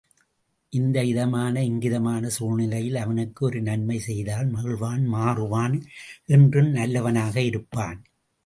இந்த இதமான இங்கிதமான சூழ்நிலையில் அவனுக்கு ஒரு நன்மை செய்தால் மகிழ்வான் மாறுவான் என்றும் நல்லவனாக இருப்பான்.